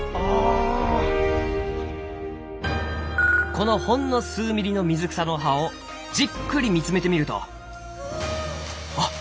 このほんの数ミリの水草の葉をじっくり見つめてみるとあっ